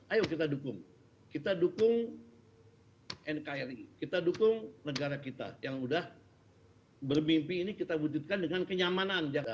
ayo kita dukung kita dukung nkri kita dukung negara kita yang udah bermimpi ini kita wujudkan dengan kenyamanan